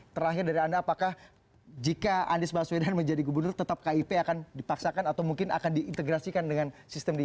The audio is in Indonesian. terakhir dari anda apakah jika anies baswedan menjadi gubernur tetap kip akan dipaksakan atau mungkin akan diintegrasikan dengan sistem di